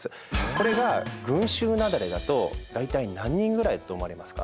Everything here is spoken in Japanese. これが群集雪崩だと大体何人ぐらいだと思われますか？